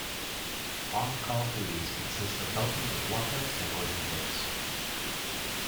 On call duties consist of helping with lock outs and noise complaints.